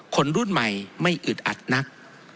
คนรุ่นใหม่ไม่อึดอัดนัก